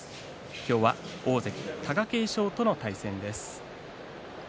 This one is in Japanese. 今日は大関貴景勝との対戦です。